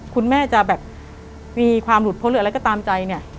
คุณแม่จะแบบมีความหลุดพ้นหรืออะไรก็ตามใจเนี่ย